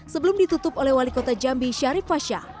sebelum ditutup oleh wali kota jambi syarif fasyah